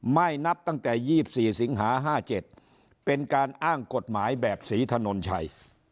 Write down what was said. นับตั้งแต่๒๔สิงหา๕๗เป็นการอ้างกฎหมายแบบศรีถนนชัย